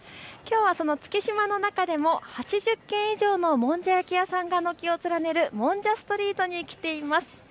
その月島の中でも８０軒以上のもんじゃ焼き屋さんが軒を連ねるもんじゃストリートに来ています。